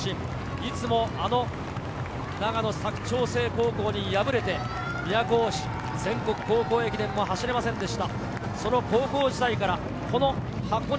いつも長野・佐久長聖高校に敗れて都大路、全国高校駅伝を走れませんでした。